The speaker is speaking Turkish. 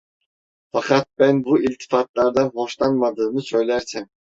Fakat ben bu iltifatlardan hoşlanmadığımı söylersem?